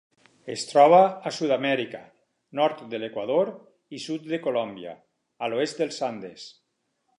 Es troba a Sud-amèrica: nord de l'Equador i sud de Colòmbia a l'oest dels Andes.